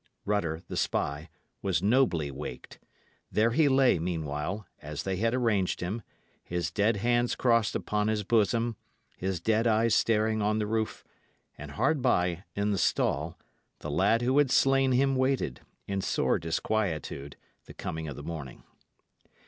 Rutter, the spy, was nobly waked. There he lay, meanwhile, as they had arranged him, his dead hands crossed upon his bosom, his dead eyes staring on the roof; and hard by, in the stall, the lad who had slain him waited, in sore disquietude, the coming of the morning.